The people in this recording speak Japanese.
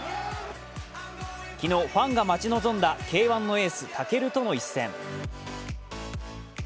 昨日、ファンが待ち望んだＫ−１のエース・武尊との一戦。